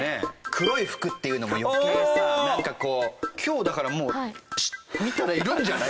黒い服っていうのも余計さなんかこう今日だからもう見たらいるんじゃない？